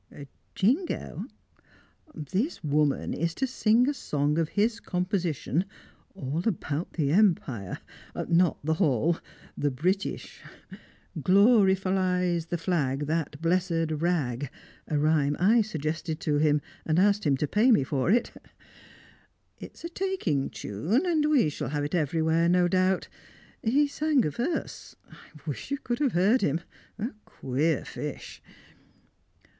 "Jingo?" "This woman is to sing a song of his composition, all about the Empire. Not the hall; the British. Glorifies the Flag, that blessed rag a rhyme I suggested to him, and asked him to pay me for. It's a taking tune, and we shall have it everywhere, no doubt. He sang a verse I wish you could have heard him. A queer fish!"